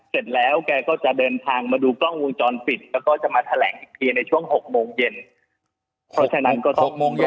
๖โมงเย็นพรุ่งนี้จะแถลงนะครับ